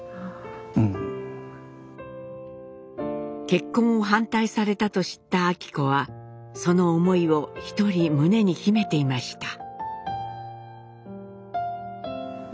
結婚を反対されたと知った昭子はその思いを一人胸に秘めていました。